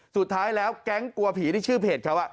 สุดท้ายแล้วแก๊งกลัวผีที่ชื่อเพจเขา